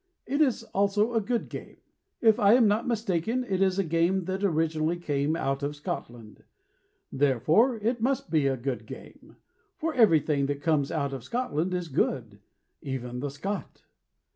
It is also a good game. If I am not mistaken, It is a game that originally came out of Scotland; Therefore it must be a good game. For everything that comes out of Scotland is good, Even the Scot.